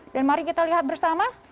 dan mari kita lihat bersama